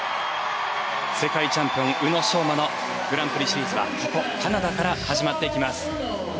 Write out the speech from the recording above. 世界チャンピオン宇野昌磨のグランプリシリーズはここカナダから始まっていきます。